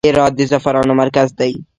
هرات د زعفرانو مرکز دی